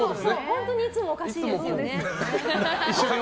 本当にいつもおかしいですよね。